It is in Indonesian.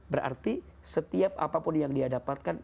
berarti setiap apapun yang dia dapatkan